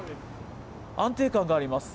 安定感があります。